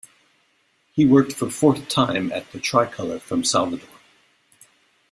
He worked for fourth time at the "Tricolor" from Salvador.